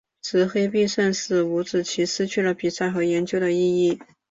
执黑必胜使五子棋失去了比赛和研究的意义。